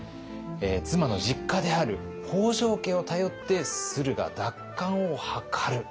妻の実家である北条家を頼って駿河奪還を図る。